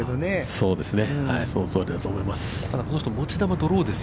◆そうですね、そのとおりだと思います。